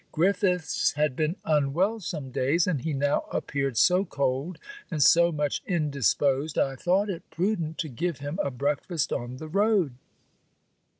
Griffiths had been unwell some days; and he now appeared so cold, and so much indisposed, I thought it prudent to give him a breakfast on the road.